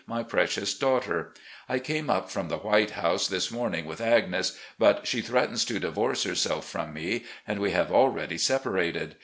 '*My Precious Daughter: I came up from the ' White House' this morning with Agnes, but she threatens to divorce herself from me, and we have already separated.